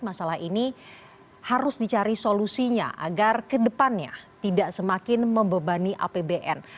masalah ini harus dicari solusinya agar kedepannya tidak semakin membebani apbn